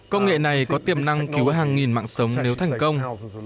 công nghệ này có tiềm năng cứu hàng nghìn mạng sống nếu thành công